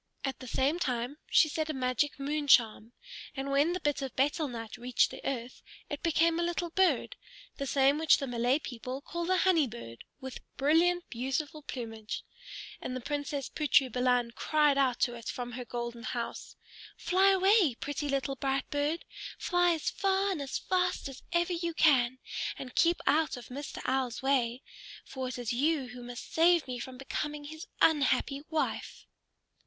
At the same time she said a magic moon charm: and when the bit of betel nut reached the earth, it became a little bird, the same which the Malay people call the Honey Bird, with brilliant, beautiful plumage. And the Princess Putri Balan cried out to it from her golden house, "Fly away, pretty little bright bird! Fly as far and as fast as ever you can, and keep out of Mr. Owl's way. For it is you who must save me from becoming his unhappy wife."